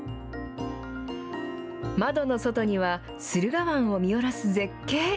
窓の外には、駿河湾を見下ろす絶景。